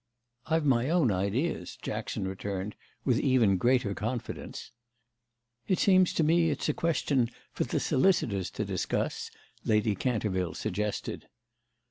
"I've my own ideas," Jackson returned with even greater confidence. "It seems to me it's a question for the solicitors to discuss," Lady Canterville suggested.